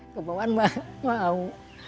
kebawaan mah mau